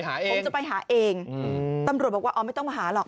ผมจะไปหาเองตำรวจบอกว่าอ๋อไม่ต้องมาหาหรอก